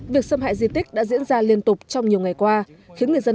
việc xâm hại di tích đã diễn ra trong một năm